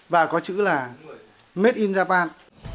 và có chữ là made in japan